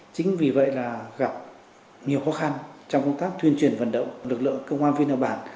chính vì vậy là gặp nhiều khó khăn trong công tác tuyên truyền vận động lực lượng công an viên hợp bản